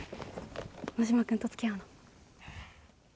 真島君と付き合うの？